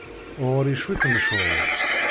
Ɣer-i cwiṭ n ccɣel.